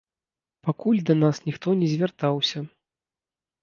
Пакуль да нас ніхто не звяртаўся.